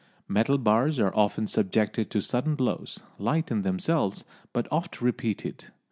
Metal bars are often subjected to sudden blows, light in themselves but oft repeated.